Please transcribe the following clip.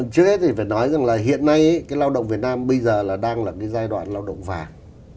trước hết thì phải nói rằng hiện nay lao động việt nam bây giờ đang là giai đoạn lao động vàng